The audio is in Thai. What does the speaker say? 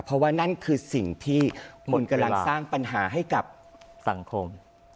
เพราะว่านั่นคือสิ่งที่คุณกำลังสร้างปัญหาให้กับสังคม